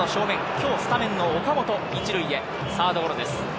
今日スタメンの岡本、１塁へ、サードゴロです。